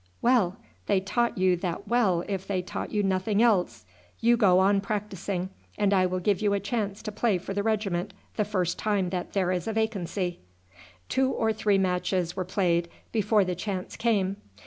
well, they taught you that well if they taught you nothing else. You go on practising, and I will give you a chance to play for the regiment the first time that there is a vacancy." Two or three matches were played before the chance came.